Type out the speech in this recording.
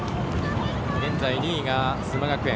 現在２位が須磨学園。